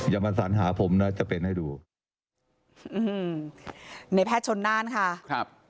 อย่ามาสัญหาผมนะจะเป็นให้ดูอืมในแพทย์ชนน่านค่ะครับ